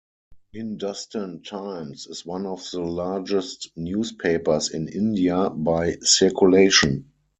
"Hindustan Times" is one of the largest newspapers in India, by circulation.